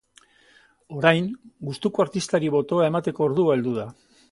Orain, gustuko artistari botoa emateko ordua heldu da.